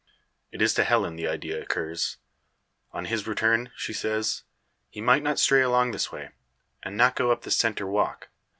It is to Helen the idea occurs. "On his return," she says, "he might stray along this way, and not go up the centre walk.